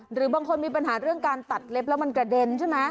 หรือบางคนมีปัญหาเรื่องการตัดเล็บแล้วมันกระเด็นใช่ไหม